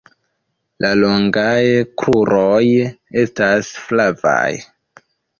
La longaj kruroj estas flavaj.